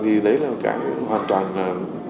thì đấy là cái hoàn toàn là doanh nghiệp